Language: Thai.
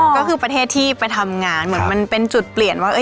ก็คือประเทศที่ไปทำงานเหมือนมันเป็นจุดเปลี่ยนว่า